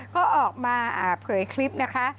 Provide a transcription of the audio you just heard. ก็ออกมาเผยคลิปนะคะ